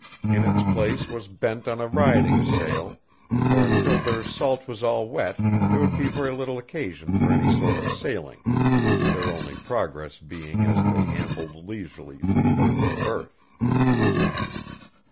In its place was bent on a riding sail, for until their salt was all wet there would be very little occasion for any sort of sailing, their only progress being as they ambled leisurely from berth to berth.